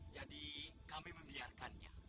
jadi kami membiarkannya